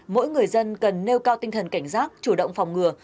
mỗi người dân cần nêu cao tinh thần cảnh giác chủ động phòng ngừa